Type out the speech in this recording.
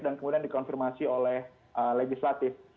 dan kemudian dikonfirmasi oleh legislatif